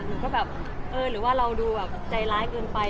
หนูก็แบบเออเราดูแบบใจล้ายเกินไป